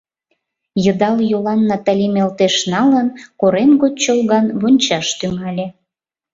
Йыдал йолан Наталим элтеш налын, корем гоч чолган вончаш тӱҥале.